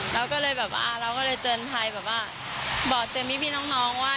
เราก็เลยแบบว่าเราก็เลยเตือนภัยแบบว่าบอกเตือนพี่น้องว่า